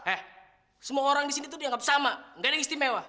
eh semua orang disini tuh dianggap sama gak ada yang istimewa